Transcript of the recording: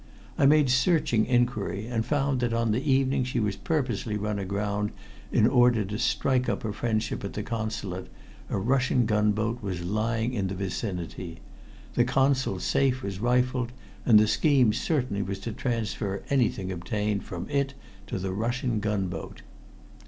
I made searching inquiry, and found that on the evening she was purposely run aground in order to strike up a friendship at the Consulate, a Russian gunboat was lying in the vicinity. The Consul's safe was rifled, and the scheme certainly was to transfer anything obtained from it to the Russian gunboat."